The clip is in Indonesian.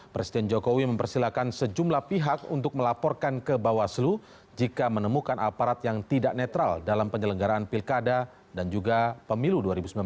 presiden jokowi mempersilahkan sejumlah pihak untuk melaporkan ke bawaslu jika menemukan aparat yang tidak netral dalam penyelenggaraan pilkada dan juga pemilu dua ribu sembilan belas